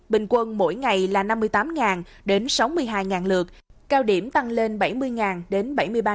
bình quân mỗi ngày là năm mươi tám đến sáu mươi hai lượt cao điểm tăng lên bảy mươi đến bảy mươi ba